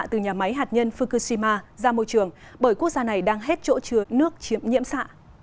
từ nhà máy hạt nhân fukushima ra môi trường bởi quốc gia này đang hết chỗ chứa nước chiếm nhiễm xạ